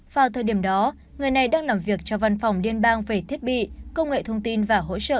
vào thời điểm đó người này đang làm việc cho văn phòng liên bang về thiết bị công nghệ thông tin và hỗ trợ